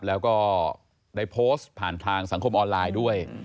แล้วก็ได้โพสต์ผ่านทางสังคมออนไลน์ด้วย